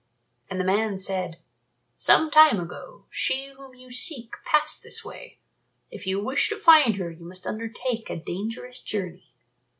And the man said, "Some time ago she whom you seek passed this way. If you wish to find her you must undertake a dangerous journey."